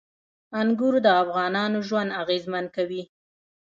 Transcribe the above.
انګور د افغانانو ژوند اغېزمن کوي.